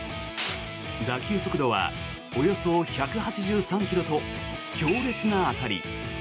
打球速度はおよそ１８３ｋｍと強烈な当たり。